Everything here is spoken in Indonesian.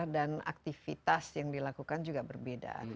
dan aktivitas yang dilakukan juga berbeda